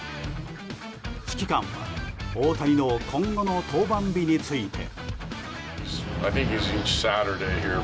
指揮官は大谷の今後の登板日について。